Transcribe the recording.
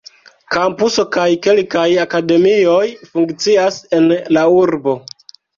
Kampuso kaj kelkaj akademioj funkcias en la urbo.